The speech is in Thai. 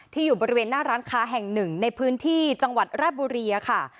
อยู่บริเวณหน้าร้านค้าแห่งหนึ่งในพื้นที่จังหวัดราบบุรีค่ะ